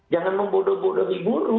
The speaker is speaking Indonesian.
jangan membodoh bodohi guru